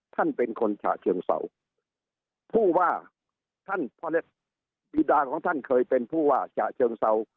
ท่านเป็นคนฉะเชิงเศร้าผู้ว่าท่านพ่อเล็กปีดาของท่านเคยเป็นผู้ว่าฉะเชิงเศร้า